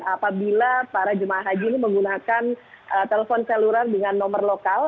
apabila para jemaah haji ini menggunakan telepon seluler dengan nomor lokal